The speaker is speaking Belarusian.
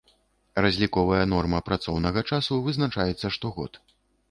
Разліковая норма працоўнага часу вызначаецца штогод.